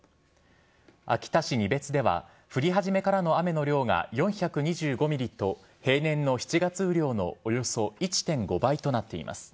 秋田市仁別では、降り始めからの雨の量が４２５ミリと平年の７月雨量のおよそ１．５倍となっています。